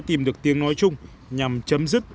tìm được tiếng nói chung nhằm chấm dứt